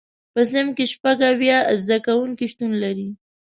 په صنف کې شپږ اویا زده کوونکي شتون لري.